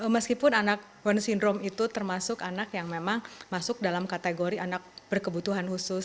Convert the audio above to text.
meskipun anak down syndrome itu termasuk anak yang memang masuk dalam kategori anak berkebutuhan khusus